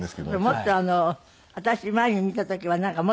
もっと私前に見た時はなんかもっと。